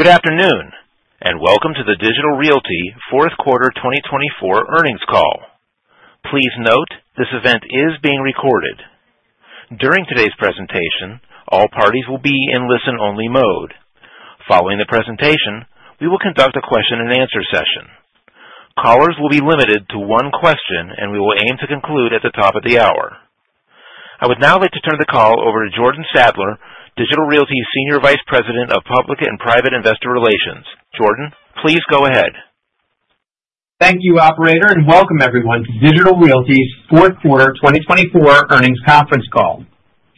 Good afternoon, and welcome to the Digital Realty Fourth Quarter 2024 earnings call. Please note this event is being recorded. During today's presentation, all parties will be in listen-only mode. Following the presentation, we will conduct a question-and-answer session. Callers will be limited to one question, and we will aim to conclude at the top of the hour. I would now like to turn the call over to Jordan Sadler, Digital Realty Senior Vice President of Public and Private Investor Relations. Jordan, please go ahead. Thank you, Operator, and welcome everyone to Digital Realty's Fourth Quarter 2024 earnings conference call.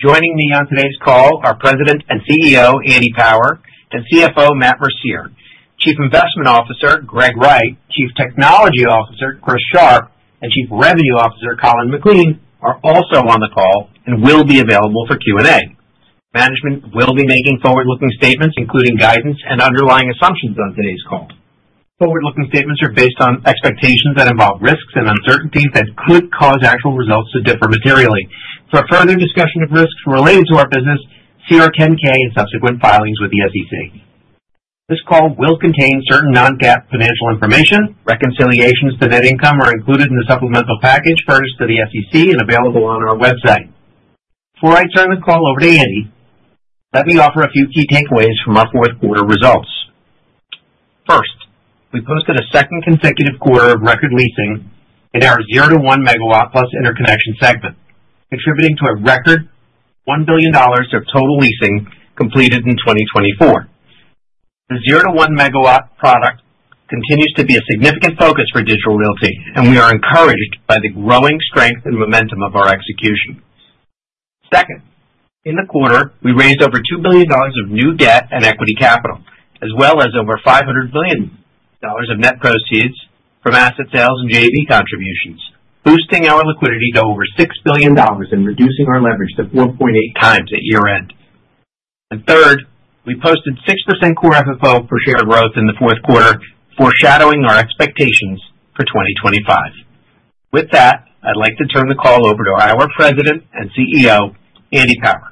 Joining me on today's call are President and CEO Andy Power and CFO Matt Mercier. Chief Investment Officer Greg Wright, Chief Technology Officer Chris Sharp, and Chief Revenue Officer Colin McLean are also on the call and will be available for Q&A. Management will be making forward-looking statements, including guidance and underlying assumptions on today's call. Forward-looking statements are based on expectations that involve risks and uncertainties that could cause actual results to differ materially. For further discussion of risks related to our business, see our 10-K and subsequent filings with the SEC. This call will contain certain non-GAAP financial information. Reconciliations to net income are included in the supplemental package furnished to the SEC and available on our website. Before I turn the call over to Andy, let me offer a few key takeaways from our fourth quarter results. First, we posted a second consecutive quarter of record leasing in our zero to one megawatt plus interconnection segment, contributing to a record $1 billion of total leasing completed in 2024. The zero to one megawatt product continues to be a significant focus for Digital Realty, and we are encouraged by the growing strength and momentum of our execution. Second, in the quarter, we raised over $2 billion of new debt and equity capital, as well as over $500 million of net proceeds from asset sales and JV contributions, boosting our liquidity to over $6 billion and reducing our leverage to 4.8 times at year-end. And third, we posted 6% core FFO for share growth in the fourth quarter, foreshadowing our expectations for 2025. With that, I'd like to turn the call over to our President and CEO, Andy Power.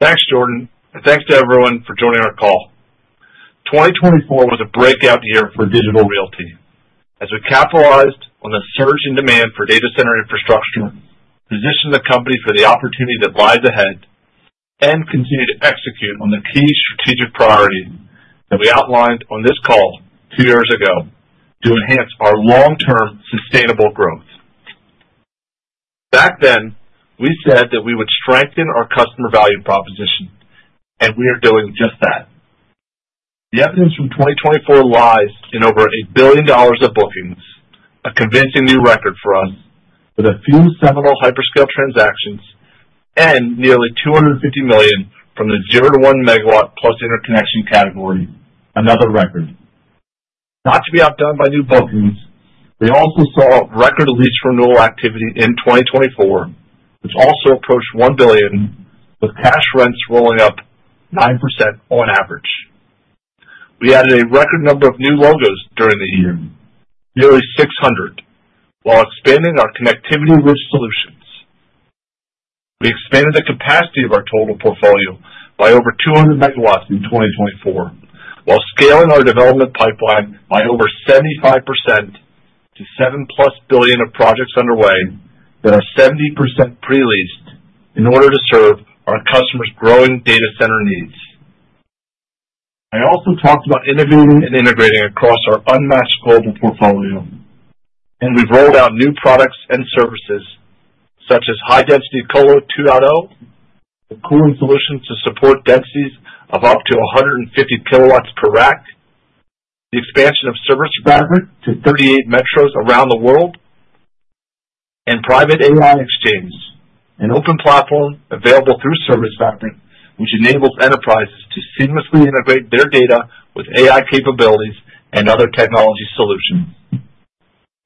Thanks, Jordan, and thanks to everyone for joining our call. 2024 was a breakout year for Digital Realty, as we capitalized on the surge in demand for data center infrastructure, positioned the company for the opportunity that lies ahead, and continued to execute on the key strategic priorities that we outlined on this call two years ago to enhance our long-term sustainable growth. Back then, we said that we would strengthen our customer value proposition, and we are doing just that. The evidence from 2024 lies in over $1 billion of bookings, a convincing new record for us, with a few seminal hyperscale transactions and nearly $250 million from the zero to one megawatt plus interconnection category, another record. Not to be outdone by new bookings, we also saw record lease renewal activity in 2024, which also approached $1 billion, with cash rents rolling up 9% on average. We added a record number of new logos during the year, nearly 600, while expanding our connectivity-rich solutions. We expanded the capacity of our total portfolio by over 200 megawatts in 2024, while scaling our development pipeline by over 75% to seven-plus billion of projects underway that are 70% pre-leased in order to serve our customers' growing data center needs. I also talked about innovating and integrating across our unmatched global portfolio, and we've rolled out new products and services such as High-Density Colo 2.0, the cooling solutions to support densities of up to 150 kilowatts per rack, the expansion of ServiceFabric to 38 metros around the world, and Private AI Exchange, an open platform available through ServiceFabric, which enables enterprises to seamlessly integrate their data with AI capabilities and other technology solutions.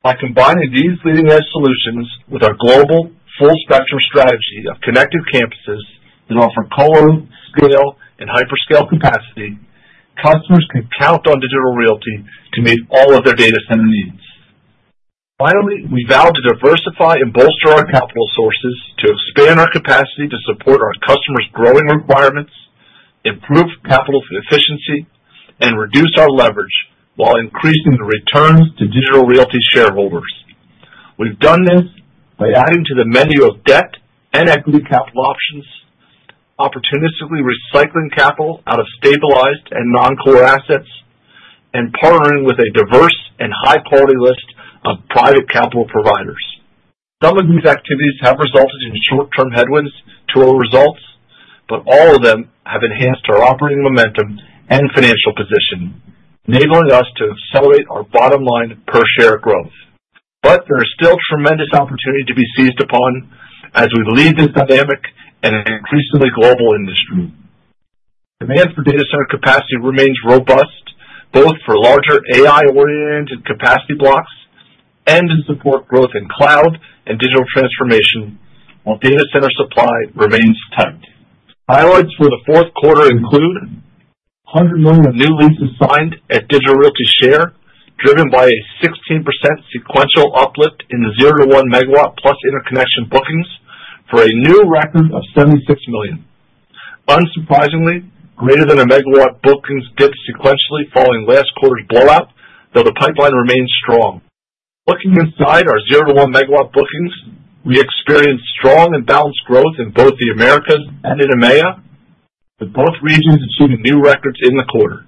By combining these leading-edge solutions with our global full-spectrum strategy of connected campuses that offer colo, scale, and hyperscale capacity, customers can count on Digital Realty to meet all of their data center needs. Finally, we vowed to diversify and bolster our capital sources to expand our capacity to support our customers' growing requirements, improve capital efficiency, and reduce our leverage while increasing the returns to Digital Realty shareholders. We've done this by adding to the menu of debt and equity capital options, opportunistically recycling capital out of stabilized and non-core assets, and partnering with a diverse and high-quality list of private capital providers. Some of these activities have resulted in short-term headwinds to our results, but all of them have enhanced our operating momentum and financial position, enabling us to accelerate our bottom line per share growth. There is still tremendous opportunity to be seized upon as we lead this dynamic and increasingly global industry. Demand for data center capacity remains robust, both for larger AI-oriented capacity blocks and to support growth in cloud and digital transformation, while data center supply remains tight. Highlights for the fourth quarter include $100 million of new leases signed at Digital Realty, driven by a 16% sequential uplift in the zero to one megawatt plus interconnection bookings for a new record of $76 million. Unsurprisingly, greater than a megawatt bookings dipped sequentially following last quarter's blowout, though the pipeline remains strong. Looking inside our zero to one megawatt bookings, we experienced strong and balanced growth in both the Americas and in EMEA, with both regions achieving new records in the quarter.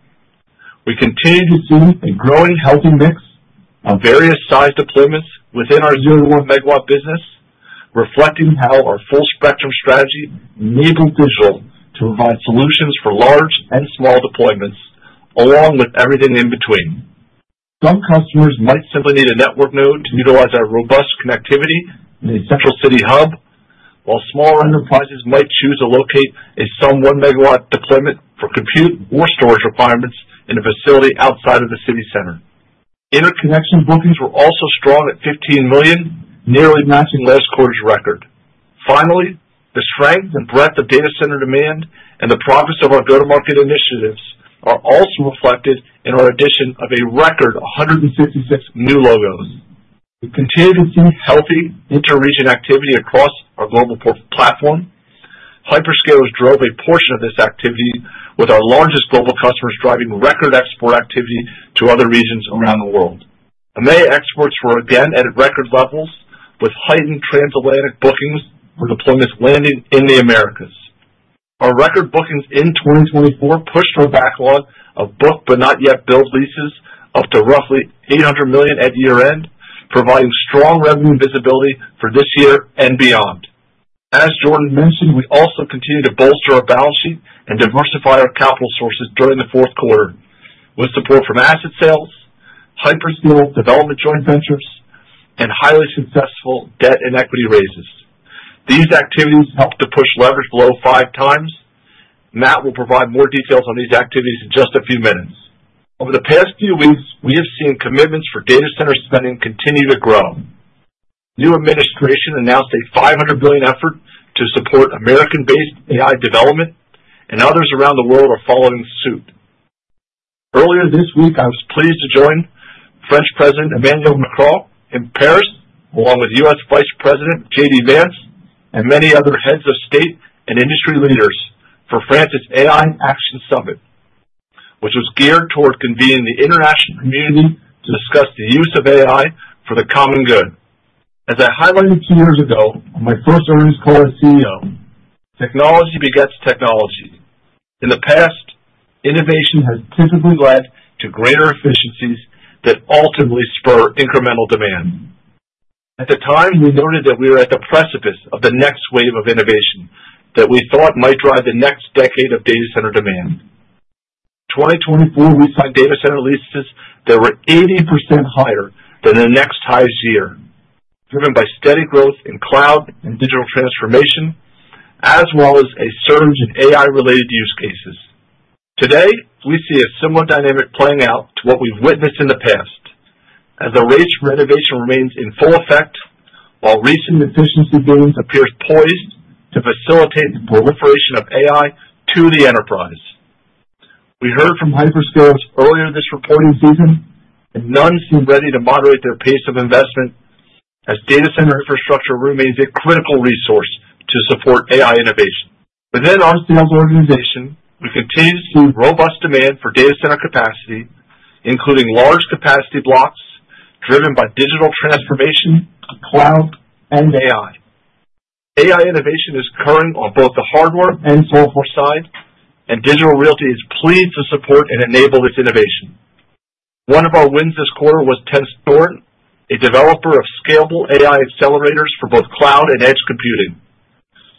We continue to see a growing healthy mix of various size deployments within our Zero to One Megawatt business, reflecting how our full-spectrum strategy enables Digital to provide solutions for large and small deployments, along with everything in between. Some customers might simply need a network node to utilize our robust connectivity in a central city hub, while smaller enterprises might choose to locate some one megawatt deployment for compute or storage requirements in a facility outside of the city center. Interconnection bookings were also strong at $15 million, nearly matching last quarter's record. Finally, the strength and breadth of data center demand and the progress of our go-to-market initiatives are also reflected in our addition of a record 156 new logos. We continue to see healthy inter-region activity across our global platform. Hyperscalers drove a portion of this activity, with our largest global customers driving record export activity to other regions around the world. EMEA exports were again at record levels, with heightened transatlantic bookings for deployments landing in the Americas. Our record bookings in 2024 pushed our backlog of booked but not yet billed leases up to roughly $800 million at year-end, providing strong revenue visibility for this year and beyond. As Jordan mentioned, we also continue to bolster our balance sheet and diversify our capital sources during the fourth quarter, with support from asset sales, hyperscale development joint ventures, and highly successful debt and equity raises. These activities helped to push leverage below five times. Matt will provide more details on these activities in just a few minutes. Over the past few weeks, we have seen commitments for data center spending continue to grow. New administration announced a $500 billion effort to support American-based AI development, and others around the world are following suit. Earlier this week, I was pleased to join French President Emmanuel Macron in Paris, along with U.S. Vice President J.D. Vance and many other heads of state and industry leaders for France's AI Action Summit, which was geared toward convening the international community to discuss the use of AI for the common good. As I highlighted two years ago on my first earnings call as CEO, technology begets technology. In the past, innovation has typically led to greater efficiencies that ultimately spur incremental demand. At the time, we noted that we were at the precipice of the next wave of innovation that we thought might drive the next decade of data center demand. In 2024, we found data center leases that were 80% higher than the next highest year, driven by steady growth in cloud and digital transformation, as well as a surge in AI-related use cases. Today, we see a similar dynamic playing out to what we've witnessed in the past, as the rate of innovation remains in full effect, while recent efficiency gains appear poised to facilitate the proliferation of AI to the enterprise. We heard from hyperscalers earlier this reporting season, and none seem ready to moderate their pace of investment, as data center infrastructure remains a critical resource to support AI innovation. Within our sales organization, we continue to see robust demand for data center capacity, including large capacity blocks driven by digital transformation, cloud, and AI. AI innovation is current on both the hardware and software side, and Digital Realty is pleased to support and enable this innovation. One of our wins this quarter was TensorStorm, a developer of scalable AI accelerators for both cloud and edge computing.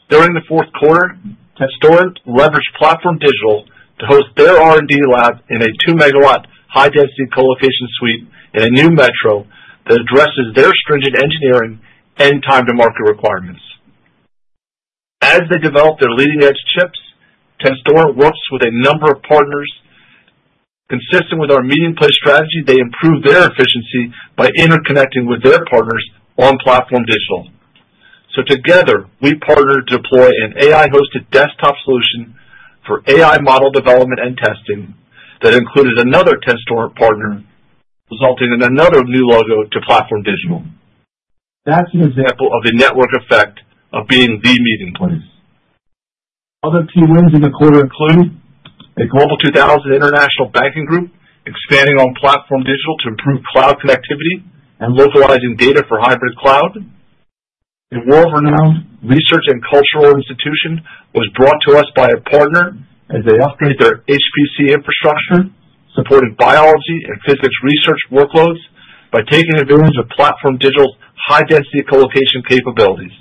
During the fourth quarter, TensorStorm leveraged PlatformDIGITAL to host their R&D lab in a two-megawatt high-density colocation suite in a new metro that addresses their stringent engineering and time-to-market requirements. As they develop their leading-edge chips, TensorStorm works with a number of partners. Consistent with our meeting place strategy, they improve their efficiency by interconnecting with their partners on PlatformDIGITAL. So together, we partnered to deploy an AI-hosted desktop solution for AI model development and testing that included another TensorStorm partner, resulting in another new logo to PlatformDIGITAL. That's an example of the network effect of being the meeting place. Other key wins in the quarter included a Global 2000 International Banking Group expanding on PlatformDIGITAL to improve cloud connectivity and localizing data for hybrid cloud. A world-renowned research and cultural institution was brought to us by a partner as they upgrade their HPC infrastructure, supporting biology and physics research workloads by taking advantage of PlatformDIGITAL's high-density colocation capabilities,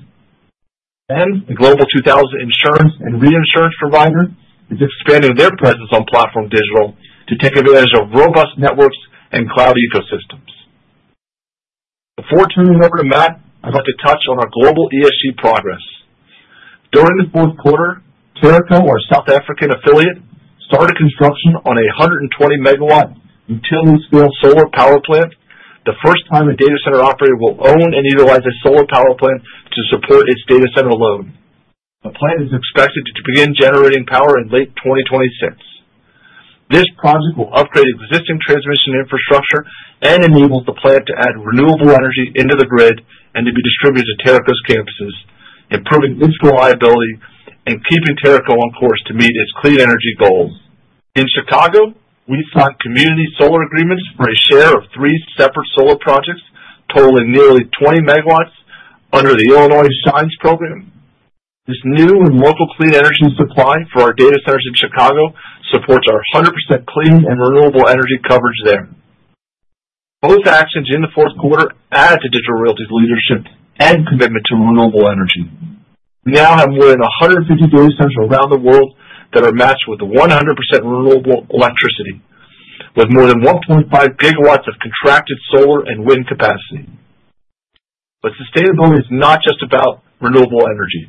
and the Global 2000 insurance and reinsurance provider is expanding their presence on PlatformDIGITAL to take advantage of robust networks and cloud ecosystems. Before turning it over to Matt, I'd like to touch on our global ESG progress. During the fourth quarter, Teraco, our South African affiliate, started construction on a 120 megawatt utility-scale solar power plant, the first time a data center operator will own and utilize a solar power plant to support its data center load. The plant is expected to begin generating power in late 2026. This project will upgrade existing transmission infrastructure and enable the plant to add renewable energy into the grid and to be distributed to Teraco's campuses, improving its reliability and keeping Teraco on course to meet its clean energy goals. In Chicago, we signed community solar agreements for a share of three separate solar projects totaling nearly 20 megawatts under the Illinois Shines. This new and local clean energy supply for our data centers in Chicago supports our 100% clean and renewable energy coverage there. Both actions in the fourth quarter add to Digital Realty's leadership and commitment to renewable energy. We now have more than 150 data centers around the world that are matched with 100% renewable electricity, with more than 1.5 gigawatts of contracted solar and wind capacity. But sustainability is not just about renewable energy.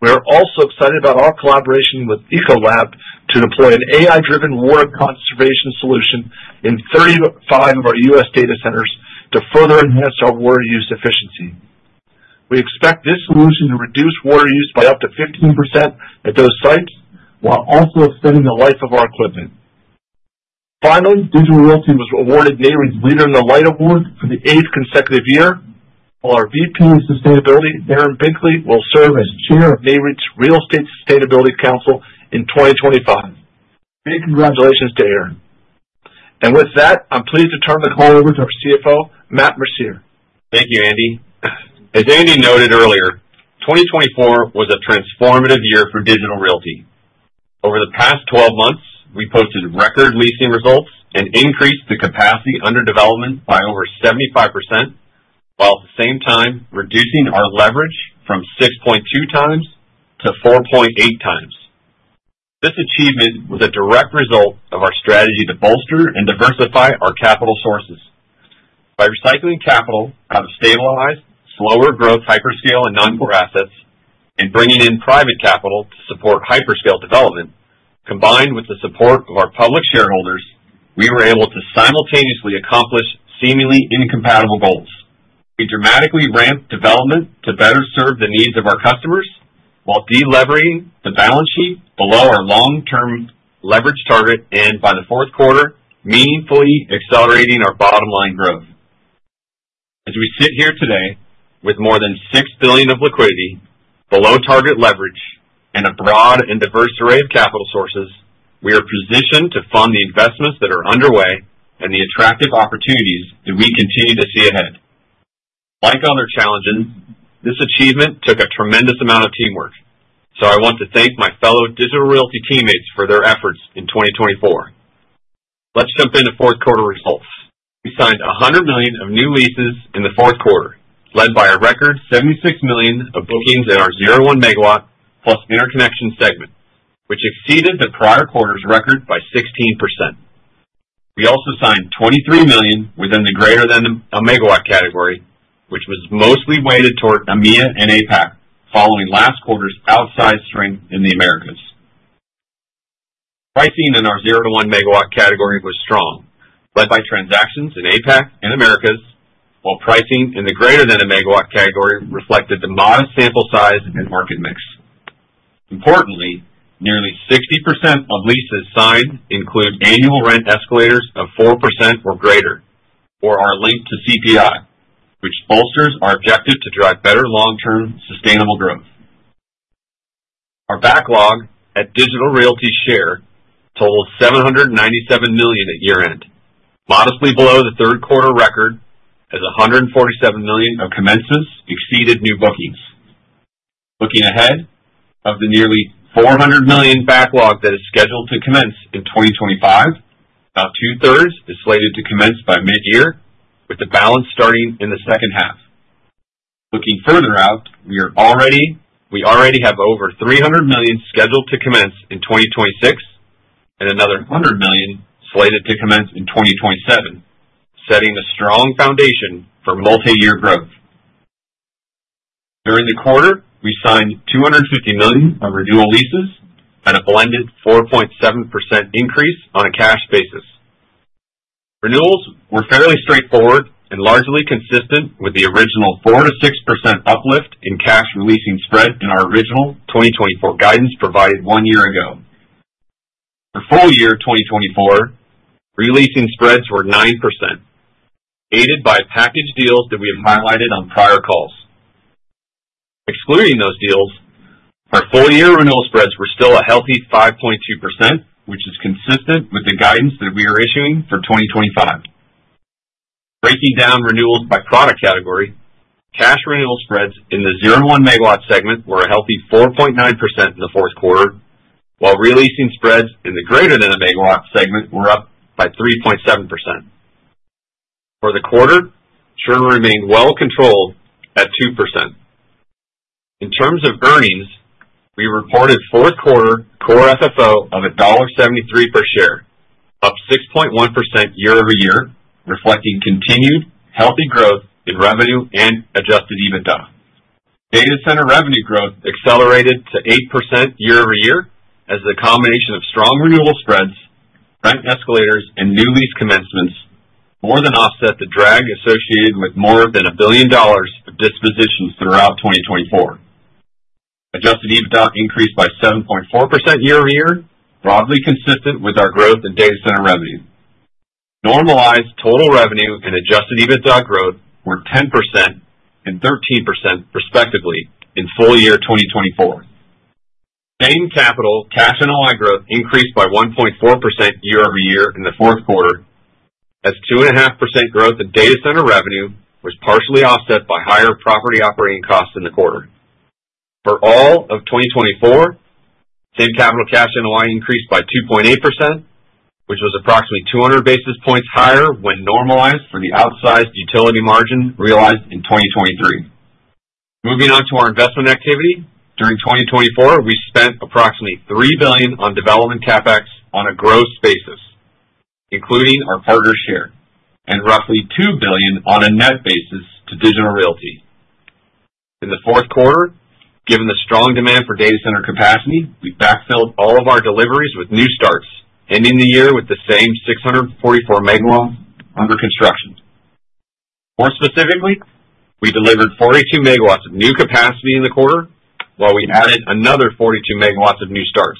We are also excited about our collaboration with Ecolab to deploy an AI-driven water conservation solution in 35 of our U.S. data centers to further enhance our water use efficiency. We expect this solution to reduce water use by up to 15% at those sites, while also extending the life of our equipment. Finally, Digital Realty was awarded Nareit's Leader in the Light Award for the eighth consecutive year. While our VP of Sustainability, Aaron Binkley, will serve as Chair of Nareit's Real Estate Sustainability Council in 2025. Big congratulations to Aaron, and with that, I'm pleased to turn the call over to our CFO, Matt Mercier. Thank you, Andy. As Andy noted earlier, 2024 was a transformative year for Digital Realty. Over the past 12 months, we posted record leasing results and increased the capacity under development by over 75%, while at the same time reducing our leverage from 6.2 times to 4.8 times. This achievement was a direct result of our strategy to bolster and diversify our capital sources. By recycling capital out of stabilized, slower-growth hyperscale and non-core assets and bringing in private capital to support hyperscale development, combined with the support of our public shareholders, we were able to simultaneously accomplish seemingly incompatible goals. We dramatically ramped development to better serve the needs of our customers while deleveraging the balance sheet below our long-term leverage target and, by the fourth quarter, meaningfully accelerating our bottom line growth. As we sit here today with more than $6 billion of liquidity, below target leverage, and a broad and diverse array of capital sources, we are positioned to fund the investments that are underway and the attractive opportunities that we continue to see ahead. Like other challenges, this achievement took a tremendous amount of teamwork, so I want to thank my fellow Digital Realty teammates for their efforts in 2024. Let's jump into fourth quarter results. We signed $100 million of new leases in the fourth quarter, led by a record $76 million of bookings in our zero to one megawatt plus interconnection segment, which exceeded the prior quarter's record by 16%. We also signed $23 million within the greater-than-a-megawatt category, which was mostly weighted toward EMEA and APAC, following last quarter's outsized strength in the Americas. Pricing in our zero to one megawatt category was strong, led by transactions in APAC and Americas, while pricing in the greater-than-a-megawatt category reflected the modest sample size and market mix. Importantly, nearly 60% of leases signed include annual rent escalators of 4% or greater or are linked to CPI, which bolsters our objective to drive better long-term sustainable growth. Our backlog at Digital Realty Trust totaled $797 million at year-end, modestly below the third quarter record, as $147 million of commencements exceeded new bookings. Looking ahead of the nearly $400 million backlog that is scheduled to commence in 2025, about two-thirds is slated to commence by mid-year, with the balance starting in the second half. Looking further out, we already have over $300 million scheduled to commence in 2026 and another $100 million slated to commence in 2027, setting a strong foundation for multi-year growth. During the quarter, we signed $250 million of renewal leases at a blended 4.7% increase on a cash basis. Renewals were fairly straightforward and largely consistent with the original 4% to 6% uplift in cash releasing spread in our original 2024 guidance provided one year ago. For full year 2024, releasing spreads were 9%, aided by package deals that we have highlighted on prior calls. Excluding those deals, our full-year renewal spreads were still a healthy 5.2%, which is consistent with the guidance that we are issuing for 2025. Breaking down renewals by product category, cash renewal spreads in the zero to one megawatt segment were a healthy 4.9% in the fourth quarter, while releasing spreads in the greater-than-a-megawatt segment were up by 3.7%. For the quarter, churn remained well controlled at 2%. In terms of earnings, we reported fourth quarter Core FFO of $1.73 per share, up 6.1% year-over-year, reflecting continued healthy growth in revenue and Adjusted EBITDA. Data center revenue growth accelerated to 8% year-over-year as the combination of strong renewal spreads, rent escalators, and new lease commencements more than offset the drag associated with more than $1 billion of dispositions throughout 2024. Adjusted EBITDA increased by 7.4% year-over-year, broadly consistent with our growth in data center revenue. Normalized total revenue and Adjusted EBITDA growth were 10% and 13%, respectively, in full year 2024. Same-Capital Cash NOI growth increased by 1.4% year-over-year in the fourth quarter, as 2.5% growth in data center revenue was partially offset by higher property operating costs in the quarter. For all of 2024, Same-Capital Cash NOI increased by 2.8%, which was approximately 200 basis points higher when normalized for the outsized utility margin realized in 2023. Moving on to our investment activity, during 2024, we spent approximately $3 billion on development CapEx on a gross basis, including our partner's share, and roughly $2 billion on a net basis to Digital Realty. In the fourth quarter, given the strong demand for data center capacity, we backfilled all of our deliveries with new starts, ending the year with the same 644 megawatts under construction. More specifically, we delivered 42 megawatts of new capacity in the quarter, while we added another 42 megawatts of new starts.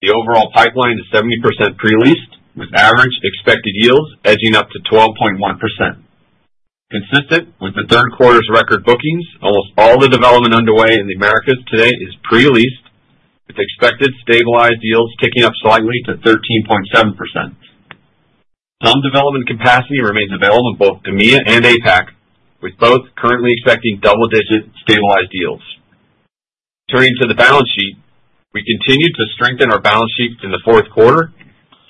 The overall pipeline is 70% pre-leased, with average expected yields edging up to 12.1%. Consistent with the third quarter's record bookings, almost all the development underway in the Americas today is pre-leased, with expected stabilized yields ticking up slightly to 13.7%. Some development capacity remains available in both EMEA and APAC, with both currently expecting double-digit stabilized yields. Turning to the balance sheet, we continued to strengthen our balance sheet in the fourth quarter,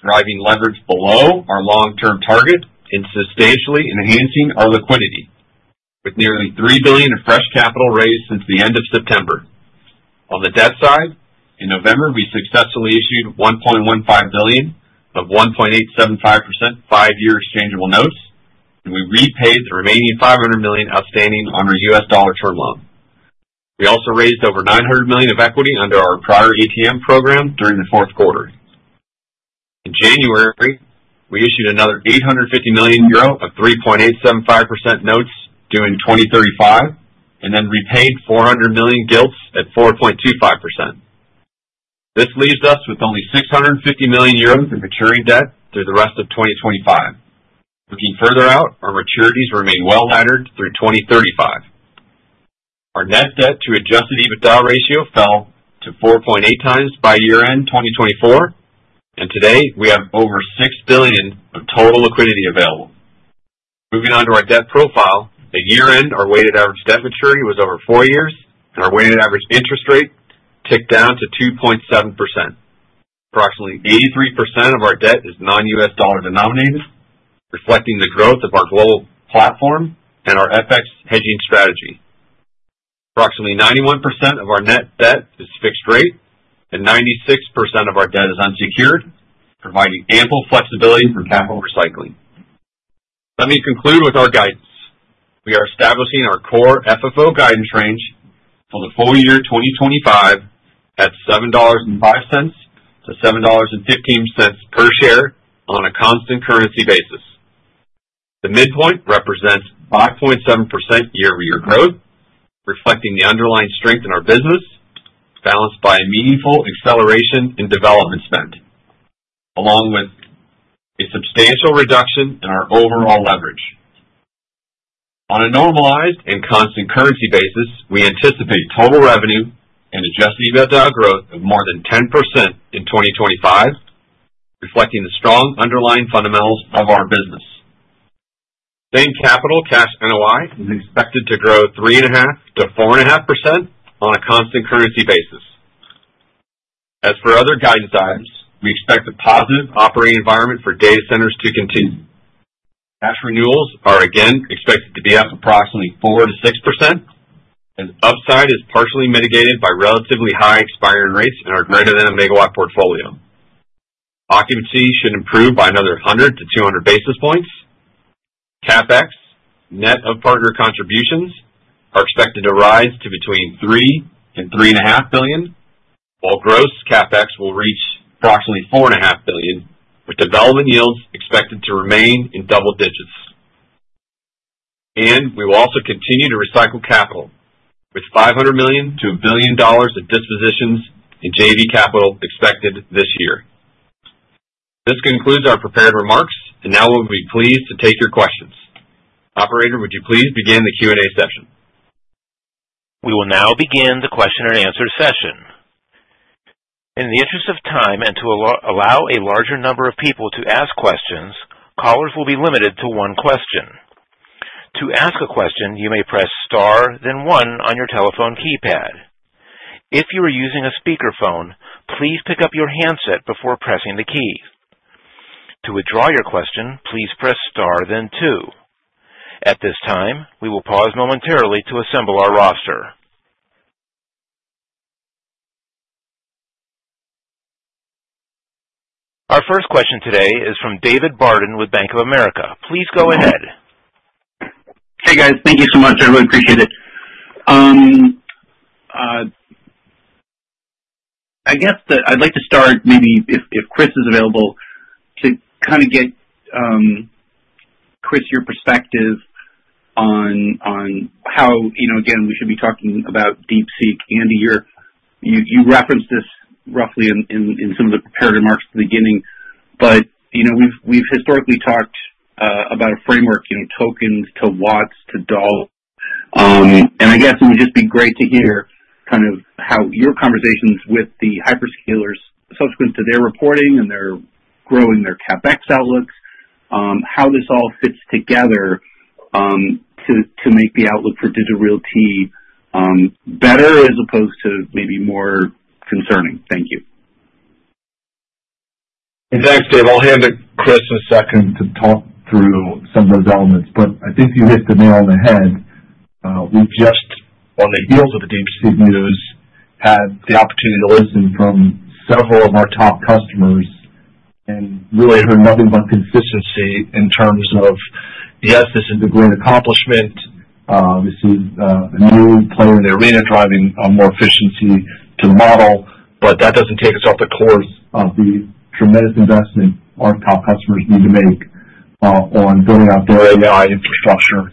driving leverage below our long-term target and substantially enhancing our liquidity, with nearly $3 billion of fresh capital raised since the end of September. On the debt side, in November, we successfully issued $1.15 billion of 1.875% five-year exchangeable notes, and we repaid the remaining $500 million outstanding on our U.S. dollar term loan. We also raised over $900 million of equity under our prior ETM program during the fourth quarter. In January, we issued another €850 million of 3.875% notes due in 2035 and then repaid €400 million gilts at 4.25%. This leaves us with only €650 million in maturing debt through the rest of 2025. Looking further out, our maturities remain well-laddered through 2035. Our net debt to Adjusted EBITDA ratio fell to 4.8 times by year-end 2024, and today we have over $6 billion of total liquidity available. Moving on to our debt profile, at year-end, our weighted average debt maturity was over four years, and our weighted average interest rate ticked down to 2.7%. Approximately 83% of our debt is non-U.S. dollar denominated, reflecting the growth of our global platform and our FX hedging strategy. Approximately 91% of our net debt is fixed rate, and 96% of our debt is unsecured, providing ample flexibility from capital recycling. Let me conclude with our guidance. We are establishing our Core FFO guidance range for the full year 2025 at $7.05-$7.15 per share on a constant currency basis. The midpoint represents 5.7% year-over-year growth, reflecting the underlying strength in our business, balanced by a meaningful acceleration in development spend, along with a substantial reduction in our overall leverage. On a normalized and constant currency basis, we anticipate total revenue and Adjusted EBITDA growth of more than 10% in 2025, reflecting the strong underlying fundamentals of our business. Same-Capital Cash NOI is expected to grow 3.5%-4.5% on a constant currency basis. As for other guidance items, we expect a positive operating environment for data centers to continue. Cash renewals are again expected to be up approximately 4%-6%, and upside is partially mitigated by relatively high expiring rates in our greater-than-a-megawatt portfolio. Occupancy should improve by another 100 to 200 basis points. CapEx, net of partner contributions, are expected to rise to between $3 billion and $3.5 billion, while gross CapEx will reach approximately $4.5 billion, with development yields expected to remain in double digits. And we will also continue to recycle capital, with $500 million-$1 billion of dispositions in JV capital expected this year. This concludes our prepared remarks, and now we'll be pleased to take your questions. Operator, would you please begin the Q&A session? We will now begin the question-and-answer session. In the interest of time and to allow a larger number of people to ask questions, callers will be limited to one question. To ask a question, you may press * then 1 on your telephone keypad. If you are using a speakerphone, please pick up your handset before pressing the key. To withdraw your question, please press * then 2. At this time, we will pause momentarily to assemble our roster. Our first question today is from David Barden with Bank of America. Please go ahead. Hey, guys. Thank you so much. I really appreciate it. I guess that I'd like to start, maybe if Chris is available, to kind of get, Chris, your perspective on how, again, we should be talking about DeepSeek. Andy, you referenced this roughly in some of the prepared remarks at the beginning, but we've historically talked about a framework, tokens to watts to dollars. And I guess it would just be great to hear kind of how your conversations with the hyperscalers, subsequent to their reporting and their growing their CapEx outlooks, how this all fits together to make the outlook for Digital Realty better as opposed to maybe more concerning. Thank you. Thanks, Dave. I'll hand to Chris in a second to talk through some of those elements, but I think you hit the nail on the head. We've just, on the heels of the DeepSeek news, had the opportunity to listen from several of our top customers and really heard nothing but consistency in terms of, yes, this is a great accomplishment. This is a new player in the arena driving more efficiency to the model, but that doesn't take us off the course of the tremendous investment our top customers need to make on building out their AI infrastructure.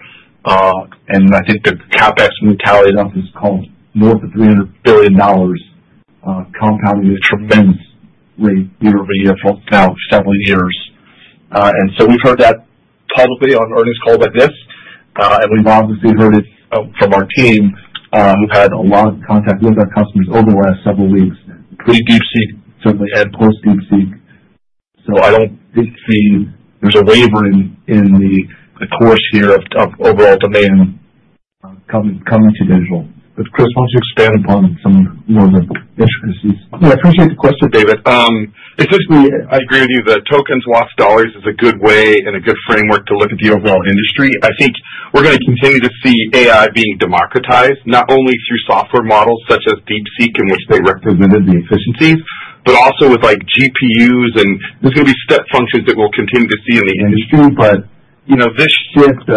And I think the CapEx we've tallied up is called more than $300 billion, compounding a tremendous rate year-over-year for now several years. And so we've heard that publicly on earnings calls like this, and we've obviously heard it from our team, who've had a lot of contact with our customers over the last several weeks, including DeepSeek, certainly and post-DeepSeek. So I don't see there's a wavering in the course here of overall demand coming to Digital. But Chris, why don't you expand upon some more of the intricacies? Yeah, I appreciate the question, David. Essentially, I agree with you that tokens, watts, dollars is a good way and a good framework to look at the overall industry. I think we're going to continue to see AI being democratized, not only through software models such as DeepSeek, in which they represented the efficiencies, but also with GPUs. There's going to be step functions that we'll continue to see in the industry, but this shift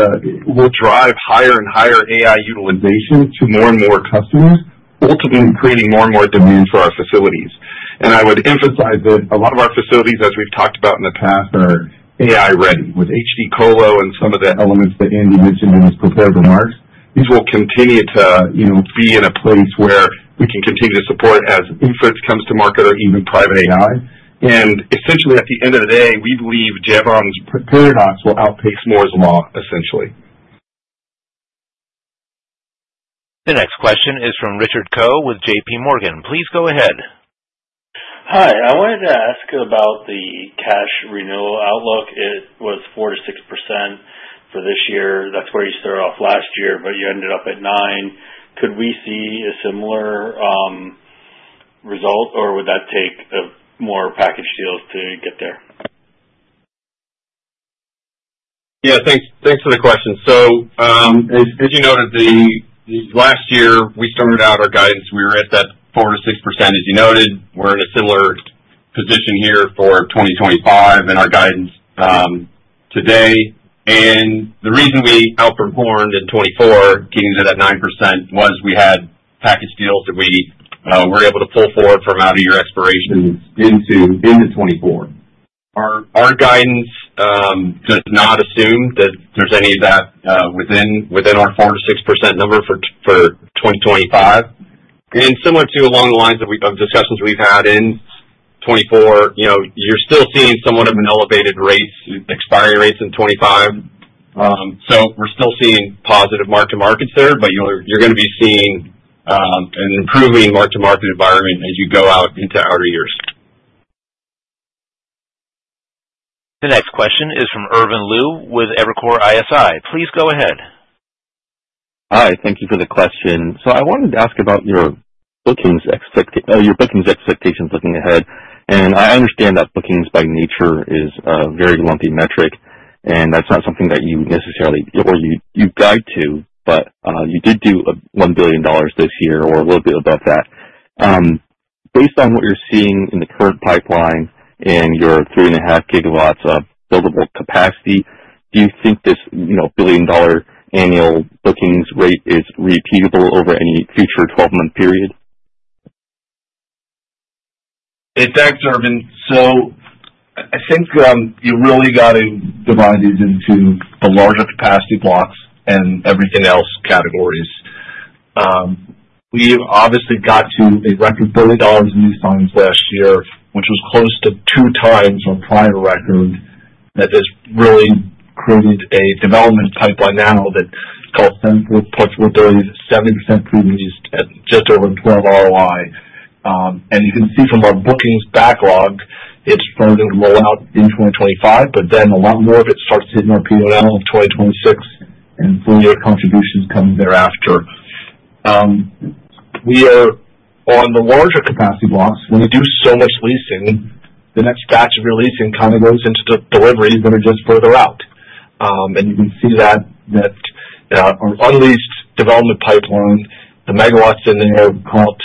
will drive higher and higher AI utilization to more and more customers, ultimately creating more and more demand for our facilities. And I would emphasize that a lot of our facilities, as we've talked about in the past, are AI-ready, with HD Colo and some of the elements that Andy mentioned in his prepared remarks. These will continue to be in a place where we can continue to support as inference comes to market or even private AI. And essentially, at the end of the day, we believe Jevons Paradox will outpace Moore's Law, essentially. The next question is from Richard Choe with J.P. Morgan. Please go ahead. Hi. I wanted to ask about the cash renewal outlook. It was 4%-6% for this year. That's where you started off last year, but you ended up at 9%. Could we see a similar result, or would that take more package deals to get there? Yeah, thanks for the question. So as you noted, last year, we started out our guidance, we were at that 4%-6%, as you noted. We're in a similar position here for 2025 in our guidance today. And the reason we outperformed in 2024, getting to that 9%, was we had package deals that we were able to pull forward from out-of-year expirations into 2024. Our guidance does not assume that there's any of that within our 4%-6% number for 2025. And similar to along the lines of discussions we've had in 2024, you're still seeing somewhat of an elevated rates, expiry rates in 2025. So we're still seeing positive mark-to-markets there, but you're going to be seeing an improving mark-to-market environment as you go out into outer years. The next question is from Irvin Liu with Evercore ISI. Please go ahead. Hi. Thank you for the question. So I wanted to ask about your bookings expectations looking ahead. And I understand that bookings by nature is a very lumpy metric, and that's not something that you necessarily or you guide to, but you did do $1 billion this year or a little bit above that. Based on what you're seeing in the current pipeline and your 3.5 gigawatts of buildable capacity, do you think this billion-dollar annual bookings rate is repeatable over any future 12-month period? Hey, thanks, Irvin. So I think you really got to divide these into the larger capacity blocks and everything else categories. We obviously got to a record $1 billion in new signings last year, which was close to two times our prior record. That has really created a development pipeline now that's colossal. We're pushing with a 70% pre-leased at just over 12% ROI. You can see from our bookings backlog, it's starting to roll out in 2025, but then a lot more of it starts hitting our P&L in 2026 and FFO contributions coming thereafter. We're on the larger capacity blocks. When you do so much leasing, the next batch of your leasing kind of goes into the deliveries that are just further out. You can see that our unleased development pipeline, the megawatts in there, are about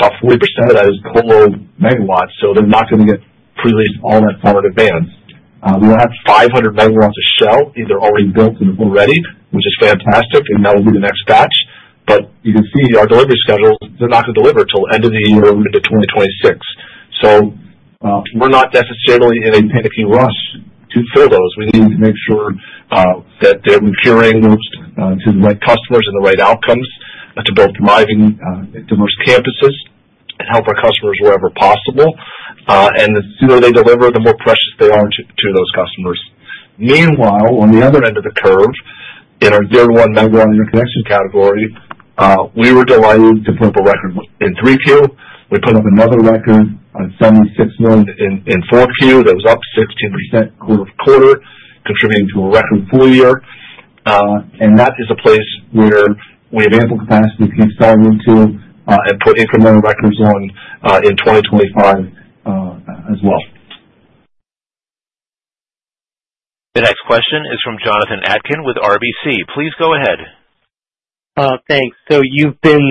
40% colo megawatts, so they're not going to get pre-leased all that far in advance. We'll have 500 megawatts of shell either already built or ready, which is fantastic, and that will be the next batch. But you can see our delivery schedules, they're not going to deliver until the end of the year or into 2026. So we're not necessarily in a panicking rush to fill those. We need to make sure that they're procuring to the right customers and the right outcomes to both thriving diverse campuses and help our customers wherever possible. And the sooner they deliver, the more precious they are to those customers. Meanwhile, on the other end of the curve, in our zero-to-one megawatt interconnection category, we were delighted to put up a record in 3Q. We put up another record on $76 million in 4Q. That was up 16% quarter to quarter, contributing to a record full year. That is a place where we have ample capacity to keep selling into and put incremental records on in 2025 as well. The next question is from Jonathan Atkin with RBC. Please go ahead. Thanks. You've been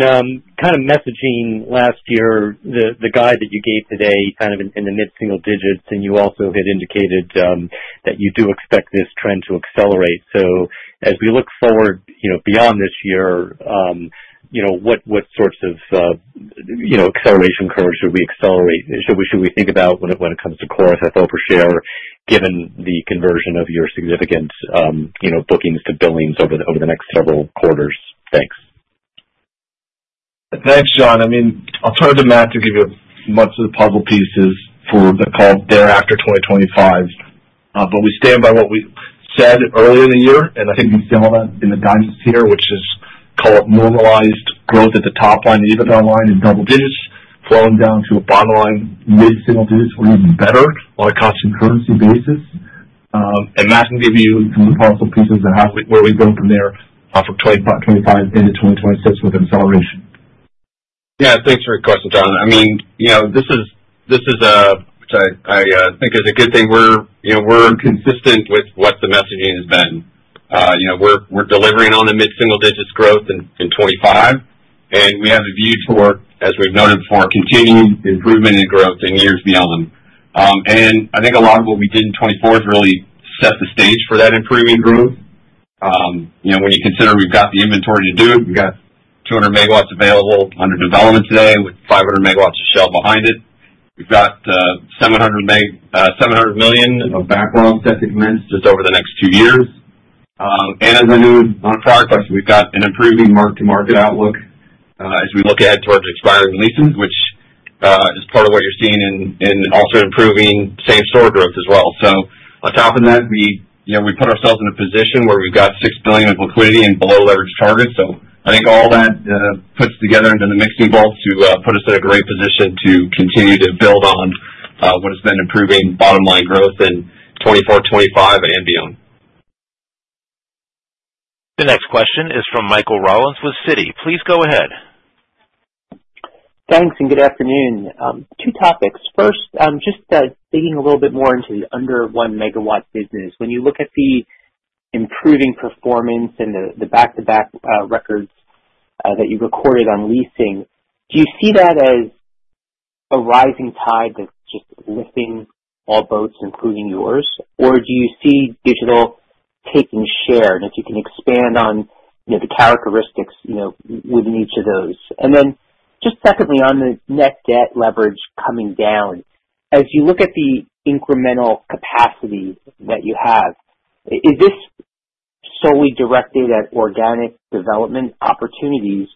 kind of messaging last year, the guide that you gave today, kind of in the mid-single digits, and you also had indicated that you do expect this trend to accelerate. As we look forward beyond this year, what sorts of acceleration curves should we accelerate? Should we think about when it comes to Core FFO per share, given the conversion of your significant bookings to billings over the next several quarters? Thanks. Thanks, John. I mean, I'll turn to Matt to give you much of the puzzle pieces for the call thereafter 2025, but we stand by what we said earlier in the year, and I think we saw that in the guidance here, which is call it normalized growth at the top line, even on line in double digits, flowing down to a bottom line, mid-single digits, or even better on a cost and currency basis. And Matt can give you some of the puzzle pieces and where we go from there for 2025 into 2026 with acceleration. Yeah, thanks for your question, John. I mean, this is a, which I think is a good thing. We're consistent with what the messaging has been. We're delivering on the mid-single digits growth in 2025, and we have a view for, as we've noted before, continued improvement and growth in years beyond. I think a lot of what we did in 2024 has really set the stage for that improving growth. When you consider we've got the inventory to do it, we've got 200 megawatts available under development today with 500 megawatts of shell behind it. We've got $700 million of backlog that could commence just over the next two years. And as I noted on prior question, we've got an improving mark-to-market outlook as we look ahead towards expiring leases, which is part of what you're seeing in also improving same-store growth as well. So on top of that, we put ourselves in a position where we've got $6 billion of liquidity and below-average targets. So I think all that puts together into the mixing bowl to put us in a great position to continue to build on what has been improving bottom line growth in 2024, 2025, and beyond. The next question is from Michael Rollins with Citi. Please go ahead. Thanks and good afternoon. Two topics. First, just digging a little bit more into the under one-megawatt business. When you look at the improving performance and the back-to-back records that you recorded on leasing, do you see that as a rising tide that's just lifting all boats, including yours? Or do you see Digital taking share? And if you can expand on the characteristics within each of those. And then just secondly, on the net debt leverage coming down, as you look at the incremental capacity that you have, is this solely directed at organic development opportunities,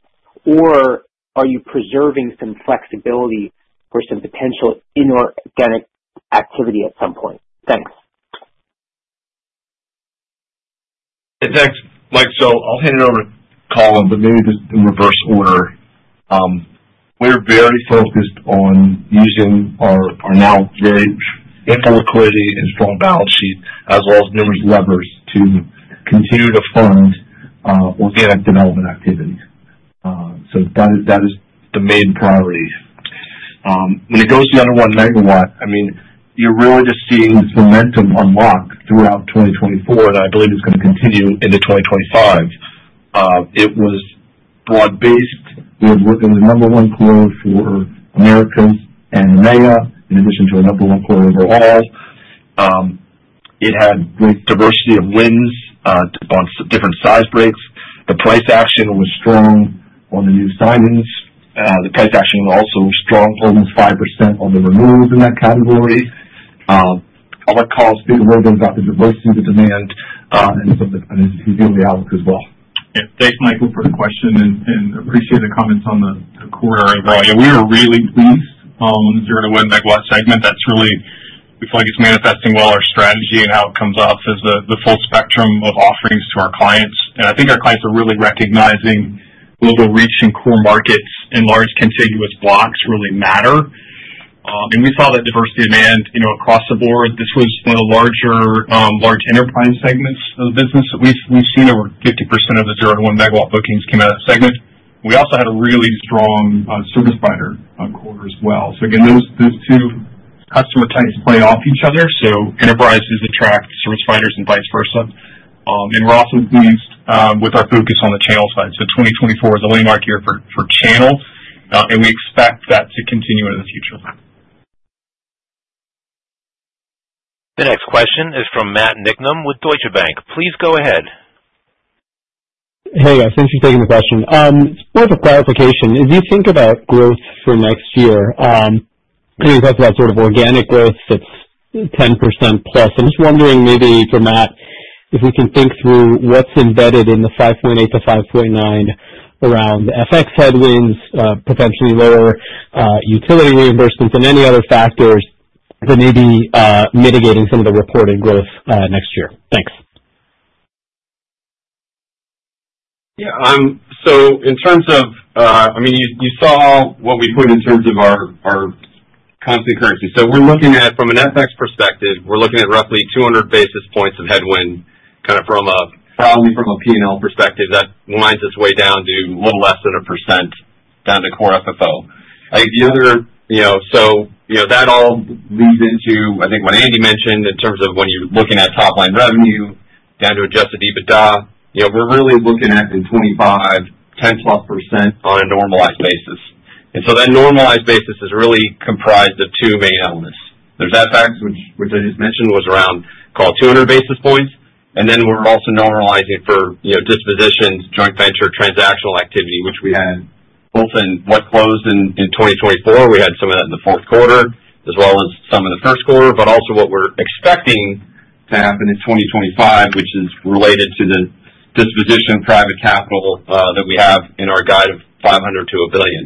or are you preserving some flexibility for some potential inorganic activity at some point? Thanks. Hey, thanks. Mike, so I'll hand it over to Colin, but maybe just in reverse order. We're very focused on using our now very ample liquidity and strong balance sheet, as well as numerous levers, to continue to fund organic development activity. So that is the main priority. When it goes to under-one megawatt, I mean, you're really just seeing the momentum unlock throughout 2024, and I believe it's going to continue into 2025. It was broad-based. We were the number one quarter for Americas and EMEA, in addition to a number one quarter overall. It had great diversity of wins on different size breaks. The price action was strong on the new sign-ins. The price action was also strong, almost 5% on the renewals in that category. I'll let Colin speak a little bit about the diversity of the demand and some of the new outlook as well. Yeah, thanks, Michael, for the question, and appreciate the comments on the quarter overall. Yeah, we were really pleased on the Zero to One Megawatt segment. That's really we feel like it's manifesting well our strategy and how it comes off as the full spectrum of offerings to our clients. I think our clients are really recognizing global reach and core markets and large contiguous blocks really matter. We saw that diversity of demand across the board. This was one of the larger large enterprise segments of the business that we've seen. Over 50% of the Zero to One Megawatt bookings came out of that segment. We also had a really strong service provider quarter as well. Again, those two customer types play off each other. Enterprises attract service providers and vice versa. We're also pleased with our focus on the channel side. 2024 is a landmark year for channel, and we expect that to continue into the future. The next question is from Matt Niknam with Deutsche Bank. Please go ahead. Hey, guys, thanks for taking the question. Just a clarification. As you think about growth for next year, you talked about sort of organic growth that's 10% plus. I'm just wondering maybe for Matt if we can think through what's embedded in the 5.8-5.9 around FX headwinds, potentially lower utility reimbursements, and any other factors that may be mitigating some of the reported growth next year. Thanks. Yeah. So in terms of, I mean, you saw what we put in terms of our constant currency. So we're looking at, from an FX perspective, we're looking at roughly 200 basis points of headwind kind of from a probably P&L perspective. That winds its way down to a little less than a percent down to Core FFO. The other, so that all leads into, I think, what Andy mentioned in terms of when you're looking at top-line revenue down to adjusted EBITDA, we're really looking at in 2025, 10% on a normalized basis. And so that normalized basis is really comprised of two main elements. There's FX, which I just mentioned, was around called 200 basis points. And then we're also normalizing for dispositions, joint venture, transactional activity, which we had both in what closed in 2024. We had some of that in the fourth quarter, as well as some in the first quarter, but also what we're expecting to happen in 2025, which is related to the disposition private capital that we have in our guide of $500 million-$1 billion.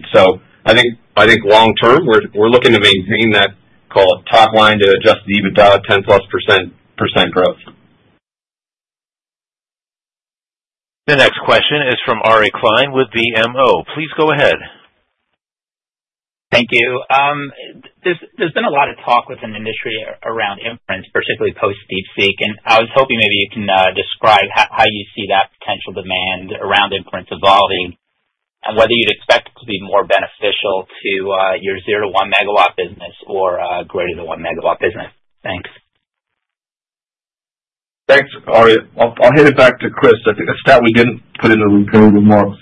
I think long-term, we're looking to maintain that, call it top-line to adjusted EBITDA, 10% growth. The next question is from Ari Klein with BMO. Please go ahead. Thank you. There's been a lot of talk within the industry around inference, particularly post-DeepSeek. And I was hoping maybe you can describe how you see that potential demand around inference evolving and whether you'd expect it to be more beneficial to your zero-to-one megawatt business or greater than one megawatt business. Thanks. Thanks, Ari. I'll hand it back to Chris. I think a stat we didn't put in the prepared remarks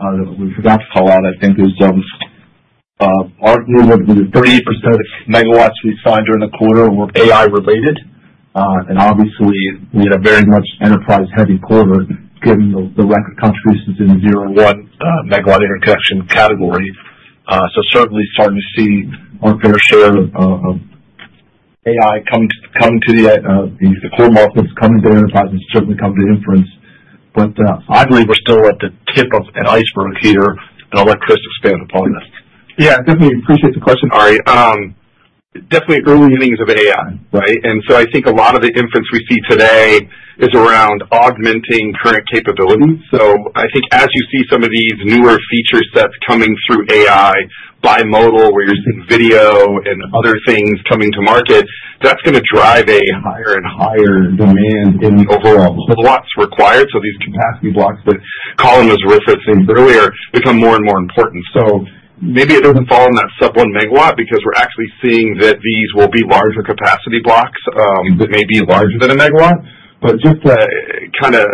that we forgot to call out, I think, is our 30% of megawatts we signed during the quarter were AI-related. And obviously, we had a very much enterprise-heavy quarter given the record contributions in the zero-to-one megawatt interconnection category. So certainly starting to see our fair share of AI coming to the core markets, coming to enterprise, and certainly coming to inference. But I believe we're still at the tip of an iceberg here, and I'll let Chris expand upon this. Yeah, definitely appreciate the question, Ari. Definitely early innings of AI, right? And so I think a lot of the inference we see today is around augmenting current capability. So I think as you see some of these newer feature sets coming through AI, bimodal, where you're seeing video and other things coming to market, that's going to drive a higher and higher demand in the overall megawatts required. So these capacity blocks that Colin was referencing earlier become more and more important. So maybe it doesn't fall in that sub-one megawatt because we're actually seeing that these will be larger capacity blocks that may be larger than a megawatt. Just to kind of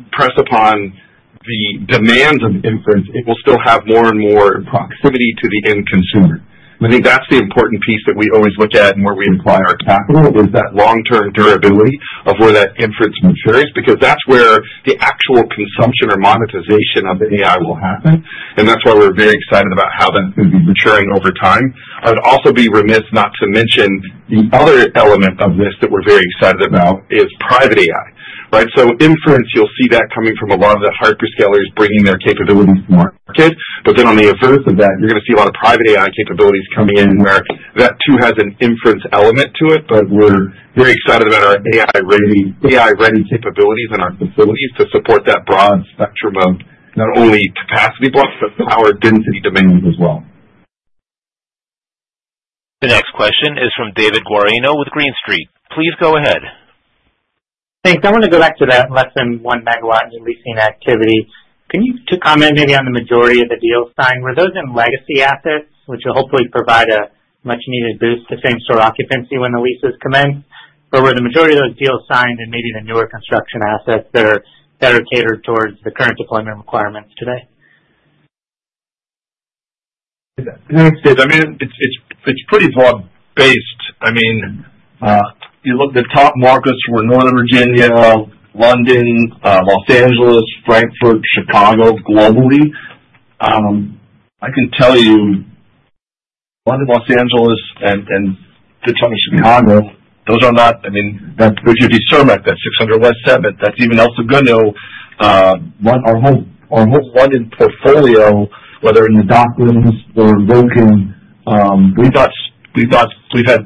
impress upon the demands of inference, it will still have more and more proximity to the end consumer. I think that's the important piece that we always look at and where we apply our capital is that long-term durability of where that inference matures because that's where the actual consumption or monetization of the AI will happen. And that's why we're very excited about how that's going to be maturing over time. I would also be remiss not to mention the other element of this that we're very excited about is private AI, right? So inference, you'll see that coming from a lot of the hyperscalers bringing their capabilities to market. But then on the reverse of that, you're going to see a lot of private AI capabilities coming in where that too has an inference element to it. But we're very excited about our AI-ready capabilities and our facilities to support that broad spectrum of not only capacity blocks but power density demands as well. The next question is from David Guarino with Green Street. Please go ahead. Thanks. I want to go back to that less than one megawatt leasing activity. Can you comment maybe on the majority of the deals signed? Were those in legacy assets, which will hopefully provide a much-needed boost to same-store occupancy when the leases commence? Or were the majority of those deals signed in maybe the newer construction assets that are catered towards the current deployment requirements today? I mean, it's pretty broad-based. I mean, the top markets were Northern Virginia, London, Los Angeles, Frankfurt, Chicago globally. I can tell you London, Los Angeles, and Chicago, those are not, I mean, that's 350 East Cermak. Cermak, that's 600 West 7th, that's even El Segundo. Our whole London portfolio, whether in the Docklands or in Brooklyn, we've had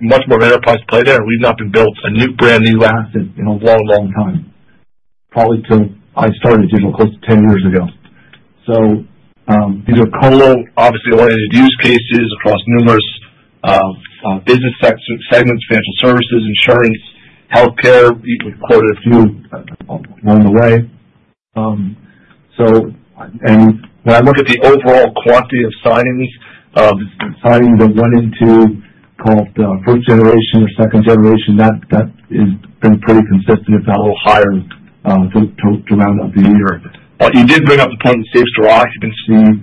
much more of enterprise play there. We've not been built a new brand new asset in a long, long time, probably until I started Digital close to 10 years ago. So these are colo, obviously oriented use cases across numerous business segments, financial services, insurance, healthcare. You could quote a few along the way. And when I look at the overall quantity of signings that went into so-called first generation or second generation, that has been pretty consistent, if not a little higher, to round out the year. You did bring up the point of same-store occupancy.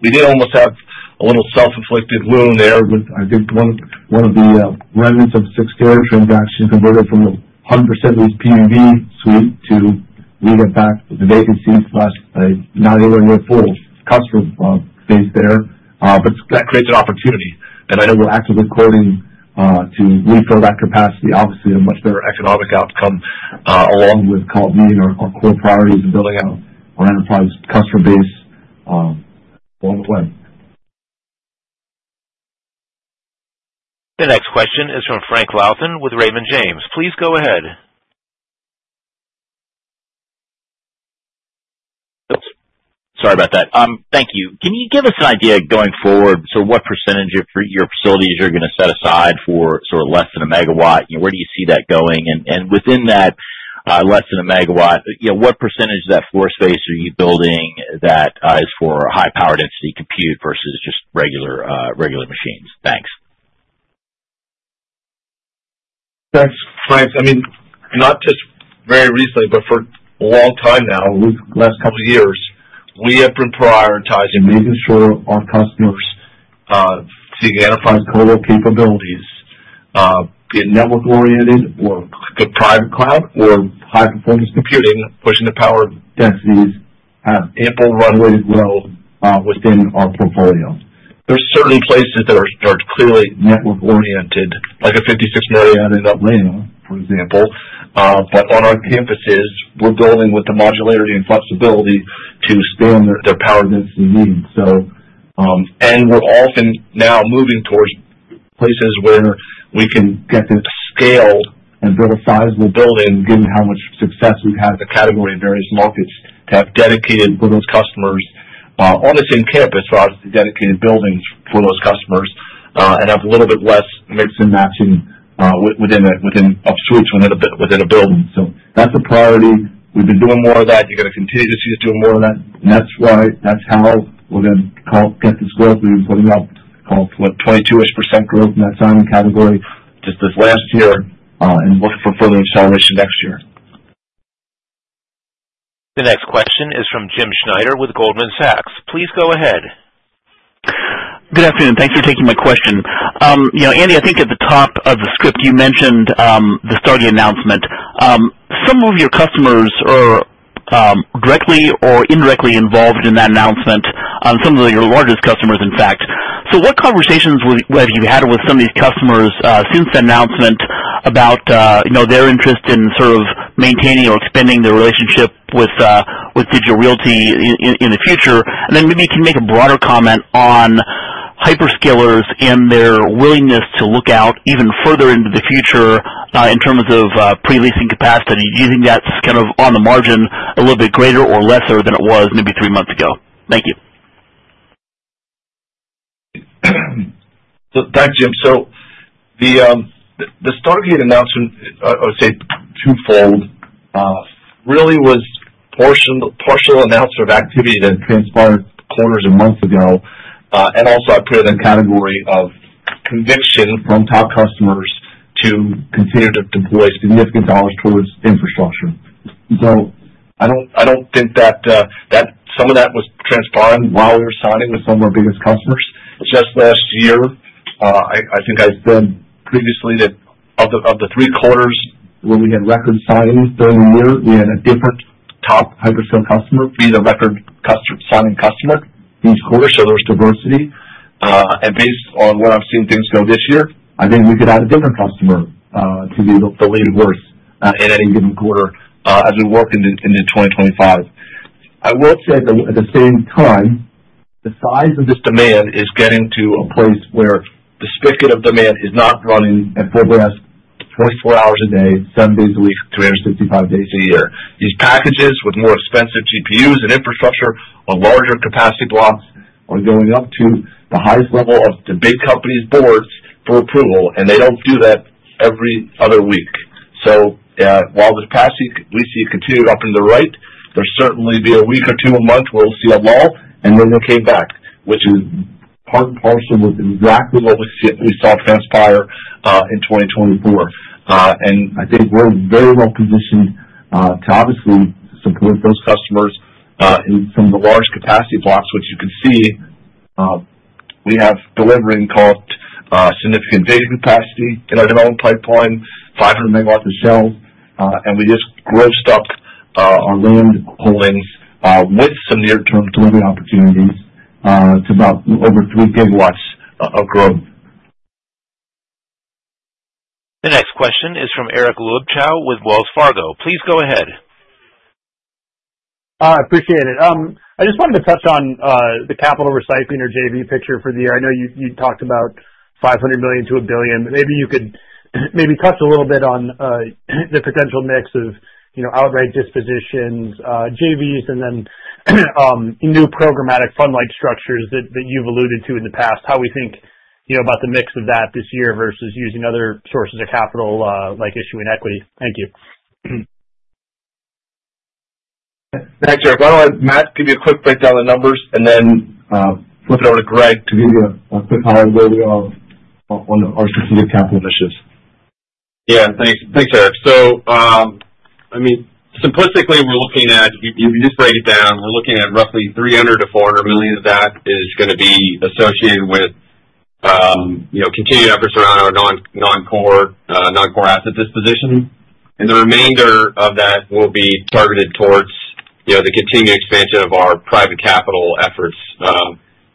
We did almost have a little self-inflicted wound there with, I think, one of the remnants of six-carrier transactions converted from 100% of these P&B suites to leave them back with the vacancies plus not anywhere near full customer base there. But that creates an opportunity. And I know we're actively quoting to refill that capacity, obviously a much better economic outcome along with, call it, meeting our core priorities and building out our enterprise customer base along the way. The next question is from Frank Louthen with Raymond James. Please go ahead. Sorry about that. Thank you. Can you give us an idea going forward? So what percentage of your facilities you're going to set aside for sort of less than a megawatt? Where do you see that going? Within that less than a megawatt, what percentage of that floor space are you building that is for high-power density compute versus just regular machines? Thanks. Thanks, Mike. I mean, not just very recently, but for a long time now, the last couple of years, we have been prioritizing making sure our customers see the enterprise colo capabilities be network-oriented or private cloud or high-performance computing, pushing the power densities, have ample runway to grow within our portfolio. There's certainly places that are clearly network-oriented, like a $56 million in Atlanta, for example. But on our campuses, we're building with the modularity and flexibility to span their power density needs. We're often now moving towards places where we can get them scaled and build a sizable building, given how much success we've had in the category in various markets to have dedicated for those customers on the same campus, obviously dedicated buildings for those customers and have a little bit less mix and matching within upstream within a building. So that's a priority. We've been doing more of that. You're going to continue to see us doing more of that. And that's why that's how we're going to get this growth. We've been putting up, call it, 22-ish% growth in that sign-in category just this last year and looking for further acceleration next year. The next question is from Jim Schneider with Goldman Sachs. Please go ahead. Good afternoon. Thanks for taking my question. Andy, I think at the top of the script, you mentioned the start of the announcement. Some of your customers are directly or indirectly involved in that announcement, some of your largest customers, in fact. So what conversations have you had with some of these customers since the announcement about their interest in sort of maintaining or expanding their relationship with Digital Realty in the future? And then maybe you can make a broader comment on hyperscalers and their willingness to look out even further into the future in terms of pre-leasing capacity, using that kind of on the margin a little bit greater or lesser than it was maybe three months ago. Thank you. Thanks, Jim. So the start of the announcement, I would say twofold, really was partial announcement of activity that transpired quarters and months ago. And also, I put it in the category of conviction from top customers to continue to deploy significant dollars towards infrastructure. So, I don't think that some of that was transpired while we were signing with some of our biggest customers. Just last year, I think I said previously that of the three quarters where we had record signings during the year, we had a different top hyperscale customer be the record signing customer each quarter. So there was diversity. And based on where I'm seeing things go this year, I think we could add a different customer to be the leading horse in any given quarter as we work into 2025. I will say at the same time, the size of this demand is getting to a place where the spike of demand is not running at full gas 24 hours a day, seven days a week, 365 days a year. These packages with more expensive GPUs and infrastructure or larger capacity blocks are going up to the highest level of the big company's boards for approval, and they don't do that every other week, so while the capacity we see continued up and to the right, there'll certainly be a week or two a month where we'll see a lull, and then they came back, which is part and parcel with exactly what we saw transpire in 2024. I think we're very well positioned to obviously support those customers in some of the large capacity blocks, which you can see we have, delivering what we call significant data capacity in our development pipeline, 500 megawatts of shells. We just grossed up our land holdings with some near-term delivery opportunities to about over 3 gigawatts of growth. The next question is from Eric Luebchow with Wells Fargo. Please go ahead. I appreciate it. I just wanted to touch on the capital recycling or JV picture for the year. I know you talked about $500 million-$1 billion. Maybe you could touch a little bit on the potential mix of outright dispositions, JVs, and then new programmatic fund-like structures that you've alluded to in the past, how we think about the mix of that this year versus using other sources of capital like issuing equity. Thank you. Thanks, Eric. I'll let Matt give you a quick breakdown of the numbers and then flip it over to Greg to give you a quick highlight of where we are on our specific capital initiatives. Yeah, thanks. Thanks, Eric. So I mean, simplistically, we're looking at, if you just break it down, we're looking at roughly $300 million-$400 million of that is going to be associated with continued efforts around our non-core asset disposition, and the remainder of that will be targeted towards the continued expansion of our private capital efforts,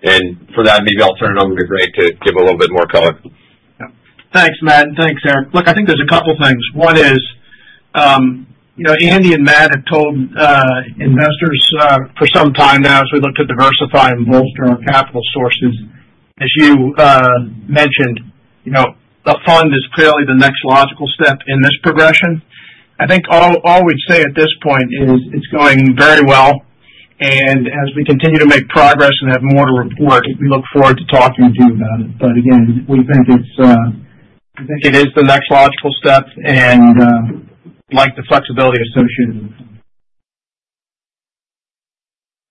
and for that, maybe I'll turn it over to Greg to give a little bit more color. Thanks, Matt, and thanks, Eric. Look, I think there's a couple of things. One is Andy and Matt have told investors for some time now as we look to diversify and bolster our capital sources. As you mentioned, a fund is clearly the next logical step in this progression. I think all we'd say at this point is it's going very well. And as we continue to make progress and have more to report, we look forward to talking to you about it. But again, we think it's the next logical step and like the flexibility associated with it.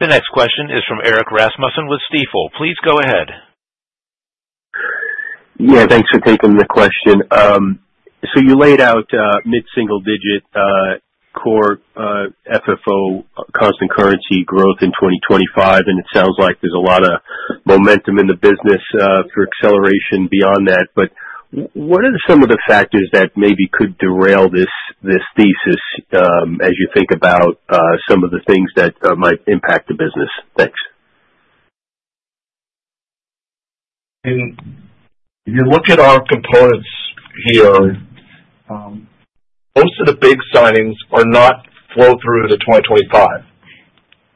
The next question is from Eric Rasmussen with Stifel. Please go ahead. Yeah, thanks for taking the question. So you laid out mid-single digit Core FFO constant currency growth in 2025. And it sounds like there's a lot of momentum in the business for acceleration beyond that. But what are some of the factors that maybe could derail this thesis as you think about some of the things that might impact the business? Thanks. And if you look at our components here, most of the big signings are not flow-through to 2025.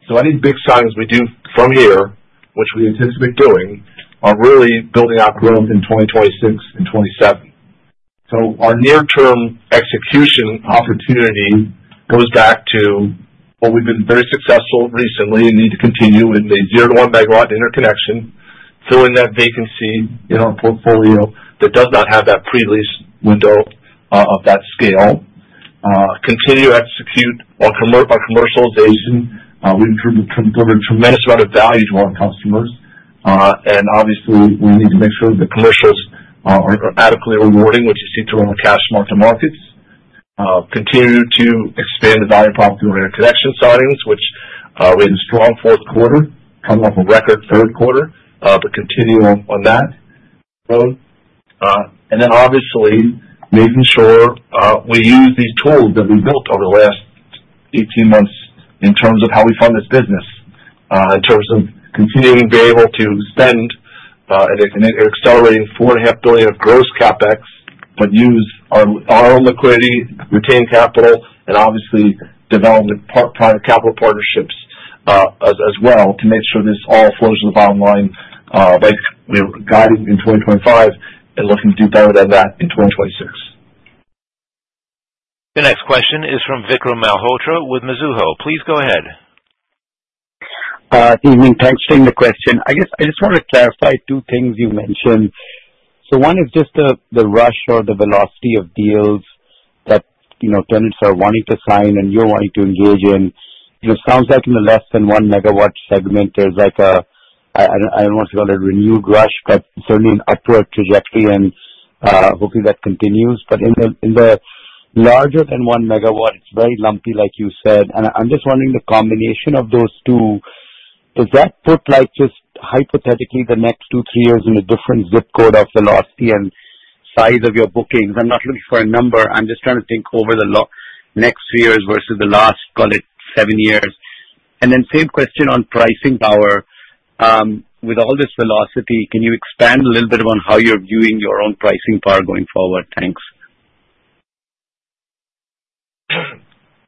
So any big signings we do from here, which we anticipate doing, are really building out growth in 2026 and 2027. So our near-term execution opportunity goes back to what we've been very successful recently and need to continue in the zero to one megawatt interconnection, filling that vacancy in our portfolio that does not have that pre-lease window of that scale. Continue to execute our commercialization. We've delivered a tremendous amount of value to our customers. And obviously, we need to make sure that the commercials are adequately rewarding, which is seen through our cash mark-to-markets. Continue to expand the value prop through our interconnection signings, which we had a strong fourth quarter, coming off a record third quarter, but continue on that road. And then obviously, making sure we use these tools that we built over the last 18 months in terms of how we fund this business, in terms of continuing to be able to spend an accelerating $4.5 billion of gross CapEx, but use our own liquidity, retain capital, and obviously development capital partnerships as well to make sure this all flows to the bottom line, like we were guiding in 2025 and looking to do better than that in 2026. The next question is from Vikram Malhotra with Mizuho. Please go ahead. Good evening. Thanks for taking the question. I guess I just want to clarify two things you mentioned. So one is just the rush or the velocity of deals that tenants are wanting to sign and you're wanting to engage in. It sounds like in the less than one megawatt segment, there's like a, I don't want to call it a renewed rush, but certainly an upward trajectory, and hopefully that continues. But in the larger than one megawatt, it's very lumpy, like you said. And I'm just wondering the combination of those two. Does that put, just hypothetically, the next two, three years in a different zip code of velocity and size of your bookings? I'm not looking for a number. I'm just trying to think over the next few years versus the last, call it, seven years. And then same question on pricing power. With all this velocity, can you expand a little bit on how you're viewing your own pricing power going forward? Thanks.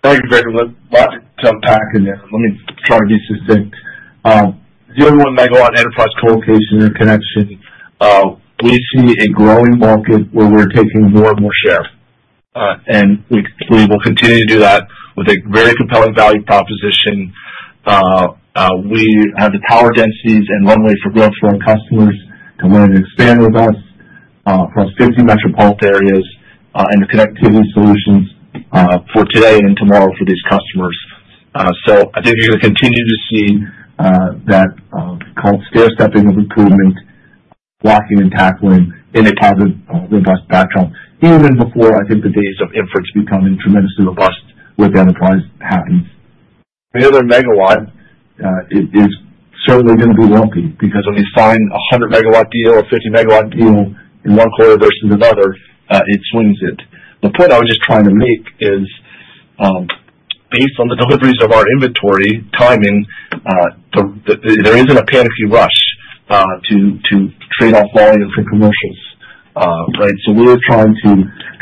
Thanks, Vikram. I'll jump back in there. Let me try to be succinct. Zero to one megawatt enterprise colocation interconnection, we see a growing market where we're taking more and more share. And we will continue to do that with a very compelling value proposition. We have the power densities and runway for growth for our customers to learn and expand with us across 50 metropolitan areas and the connectivity solutions for today and tomorrow for these customers. So I think you're going to continue to see that, call it, scale-stepping of improvement, blocking and tackling in a positive robust backdrop, even before, I think, the days of infrastructure becoming tremendously robust with enterprise happens. The other megawatt is certainly going to be lumpy because when you sign a 100-megawatt deal or 50-megawatt deal in one quarter versus another, it swings it. The point I was just trying to make is, based on the deliveries of our inventory timing, there isn't a panicky rush to trade-off volume for commercials, right? So we're trying to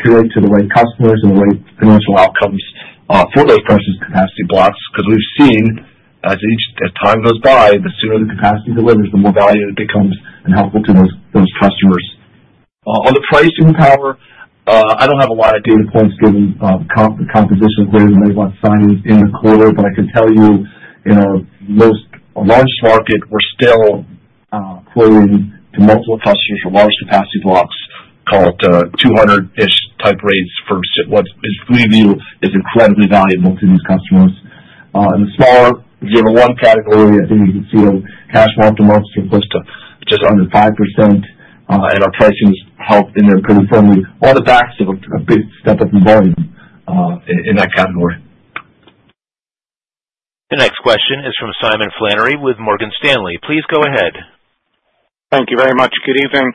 connect to the right customers and the right financial outcomes for those priced capacity blocks because we've seen, as time goes by, the sooner the capacity delivers, the more value it becomes and helpful to those customers. On the pricing power, I don't have a lot of data points given the composition of greater than megawatt signings in the quarter, but I can tell you, in our largest market, we're still quoting to multiple customers for large capacity blocks, call it 200-ish type rates for what is, to my view, incredibly valuable to these customers. In the smaller 0 to 1 category, I think you can see our cash margin markets are close to just under 5%, and our pricing has helped in there pretty firmly. In fact, a big step-up in volume in that category. The next question is from Simon Flannery with Morgan Stanley. Please go ahead. Thank you very much. Good evening.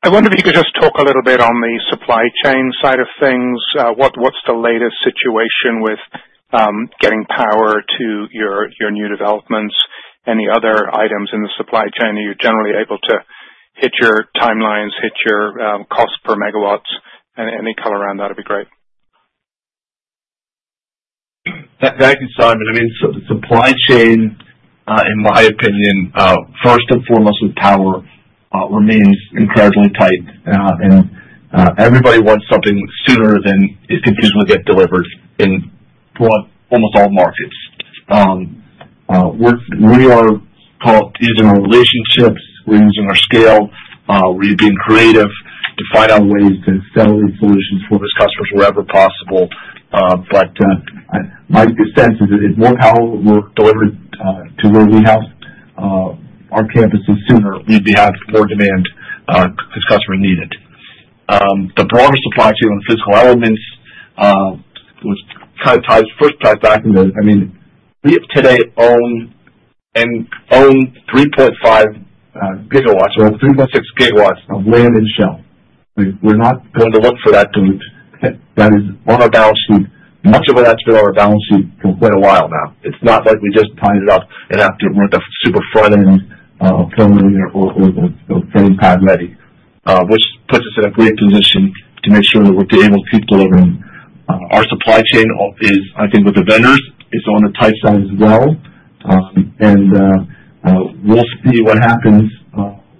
I wonder if you could just talk a little bit on the supply chain side of things. What's the latest situation with getting power to your new developments? Any other items in the supply chain that you're generally able to hit your timelines, hit your cost per megawatts? Any color around that would be great. Thank you, Simon. I mean, supply chain, in my opinion, first and foremost with power, remains incredibly tight. And everybody wants something sooner than it can usually get delivered in almost all markets. We are using our relationships. We're using our scale. We're being creative to find out ways to sell these solutions for those customers wherever possible. But my sense is that the more power we're delivering to where we have our campuses sooner, we'd have more demand because customers need it. The broader supply chain on physical elements was kind of tied, first tied back into it. I mean, we today own 3.5 gigawatts or 3.6 gigawatts of land and shell. We're not going to look for that too. That is on our balance sheet. Much of that's been on our balance sheet for quite a while now. It's not like we just tied it up and have to run the super front-end firmly or get it ready, which puts us in a great position to make sure that we're able to keep delivering. Our supply chain is, I think, with the vendors, it's on the tight side as well, and we'll see what happens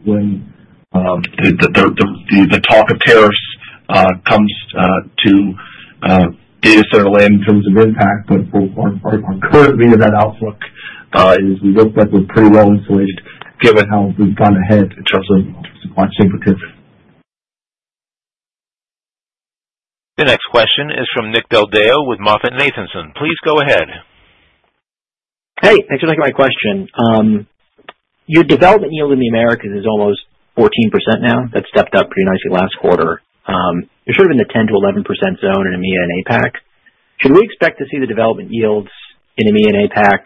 when the talk of tariffs comes to data center land in terms of impact, but our current read of that outlook is we look like we're pretty well insulated given how we've gone ahead in terms of supply chain particularly. The next question is from Nick Del Deo with MoffettNathanson. Please go ahead. Hey, thanks for taking my question. Your development yield in the Americas is almost 14% now. That stepped up pretty nicely last quarter. You're sort of in the 10%-11% zone in EMEA and APAC. Should we expect to see the development yields in EMEA and APAC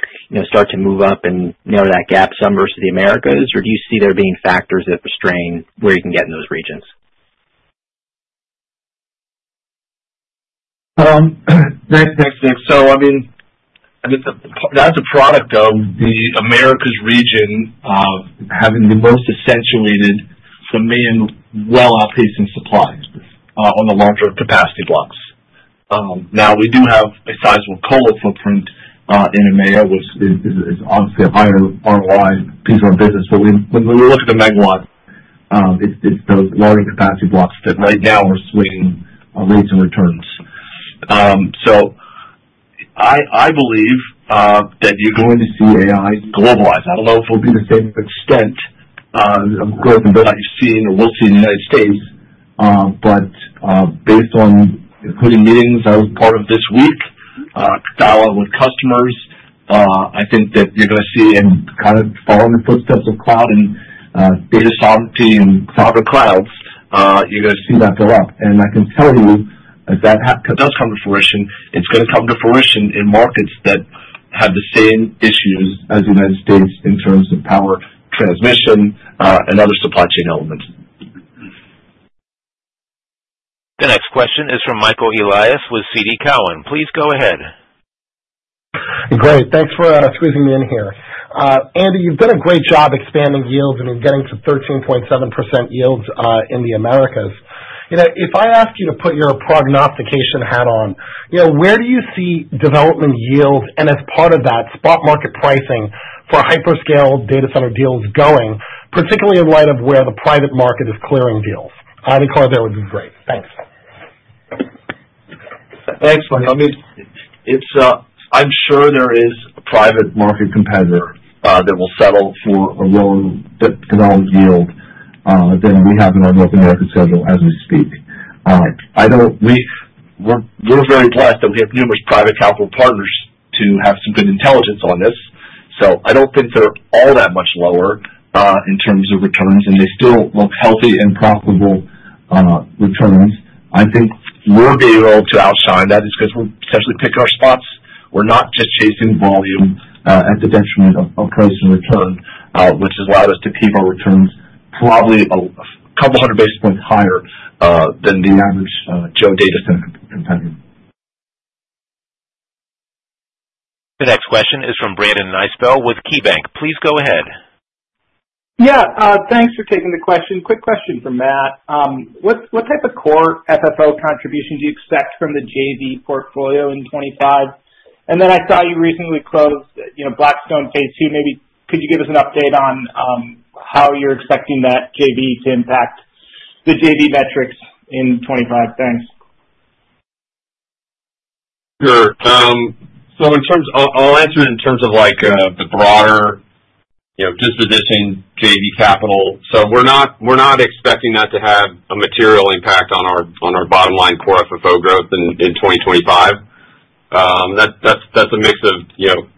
start to move up and narrow that gap some versus the Americas? Or do you see there being factors that restrain where you can get in those regions? Thanks, Nick. So I mean, that's a product of the Americas region having the most accentuated, for me, and well-outpacing supply on the larger capacity blocks. Now, we do have a sizable colo footprint in EMEA, which is obviously a higher ROI piece of our business. But when we look at the megawatt, it's those larger capacity blocks that right now are swaying rates and returns. So I believe that you're going to see AI globalize. I don't know if it'll be the same extent of growth and buildout you've seen or we'll see in the United States. But based on including meetings I was part of this week, dialogue with customers, I think that you're going to see and kind of following the footsteps of cloud and data sovereignty and cloud or clouds, you're going to see that build up. And I can tell you, if that does come to fruition, it's going to come to fruition in markets that have the same issues as the United States in terms of power transmission and other supply chain elements. The next question is from Michael Elias with TD Cowen. Please go ahead. Great. Thanks for squeezing me in here. Andy, you've done a great job expanding yields and getting to 13.7% yields in the Americas. If I ask you to put your prognostication hat on, where do you see development yields and, as part of that, spot market pricing for hyperscale data center deals going, particularly in light of where the private market is clearing deals? Any color, that would be great. Thanks. Thanks, Mike. I mean, I'm sure there is a private market competitor that will settle for a lower development yield than we have in our North American schedule as we speak. We're very blessed that we have numerous private capital partners to have some good intelligence on this. So I don't think they're all that much lower in terms of returns, and they still look healthy and profitable returns. I think we're being able to outshine that just because we're essentially picking our spots. We're not just chasing volume at the detriment of price and return, which has allowed us to keep our returns probably a couple hundred basis points higher than the average data center competitor. The next question is from Brandon Nispel with KeyBanc Capital Markets. Please go ahead. Yeah. Thanks for taking the question. Quick question from Matt. What type of Core FFO contribution do you expect from the JV portfolio in 2025? And then I saw you recently closed Blackstone Phase 2. Maybe could you give us an update on how you're expecting that JV to impact the JV metrics in 2025? Thanks. Sure. So I'll answer it in terms of the broader disposition, JV capital. So we're not expecting that to have a material impact on our bottom line Core FFO growth in 2025. That's a mix of,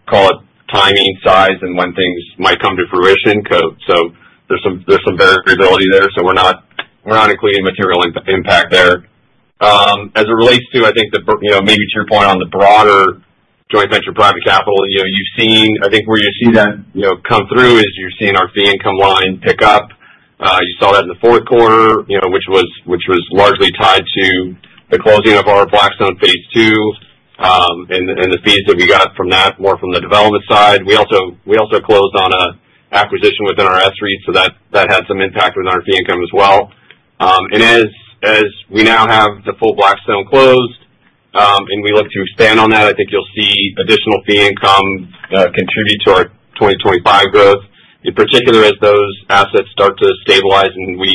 call it, timing, size, and when things might come to fruition. There's some variability there. We're not including material impact there. As it relates to, I think, maybe to your point on the broader joint venture private capital, I think where you see that come through is you're seeing our fee income line pick up. You saw that in the fourth quarter, which was largely tied to the closing of our Blackstone Phase 2 and the fees that we got from that, more from the development side. We also closed on an acquisition within our S-REITs, so that had some impact with our fee income as well. And as we now have the full Blackstone closed and we look to expand on that, I think you'll see additional fee income contribute to our 2025 growth, in particular as those assets start to stabilize and we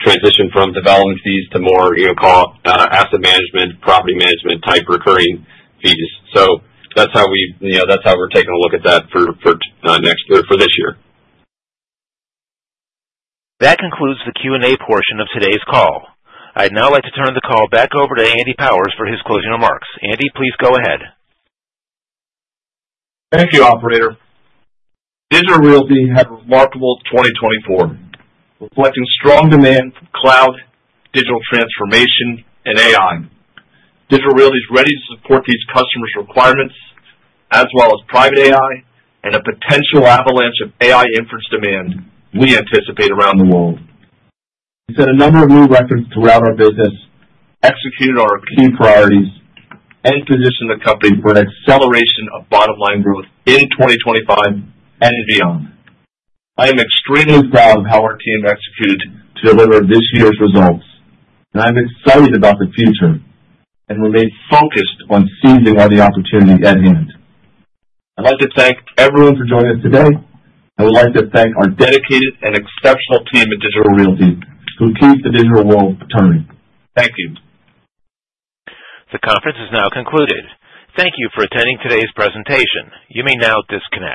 transition from development fees to more, call it, asset management, property management type recurring fees. So that's how we're taking a look at that for this year. That concludes the Q&A portion of today's call. I'd now like to turn the call back over to Andy Power for his closing remarks. Andy, please go ahead. Thank you, Operator. Digital Realty had a remarkable 2024, reflecting strong demand for cloud, digital transformation, and AI. Digital Realty is ready to support these customers' requirements, as well as private AI and a potential avalanche of AI inference demand we anticipate around the world. We set a number of new records throughout our business, executed our key priorities, and positioned the company for an acceleration of bottom line growth in 2025 and beyond. I am extremely proud of how our team executed to deliver this year's results, and I'm excited about the future and remain focused on seizing all the opportunity at hand. I'd like to thank everyone for joining us today. I would like to thank our dedicated and exceptional team at Digital Realty who keeps the digital world turning. Thank you. The conference is now concluded. Thank you for attending today's presentation. You may now disconnect.